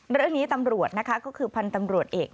เรื่องนี้ตำรวจนะคะก็คือพันธุ์ตำรวจเอก